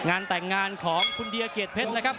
งานแต่งงานของคุณเดียเกียรติเพชรนะครับ